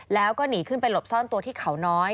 แล้วก็หนีขึ้นไปหลบซ่อนตัวที่เขาน้อย